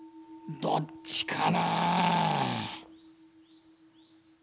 どっちかな？